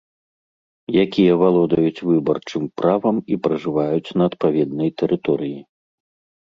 Якія валодаюць выбарчым правам і пражываюць на адпаведнай тэрыторыі.